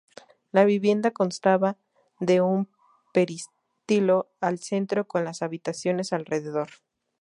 La vivienda constaba de un peristilo al centro, con las habitaciones alrededor.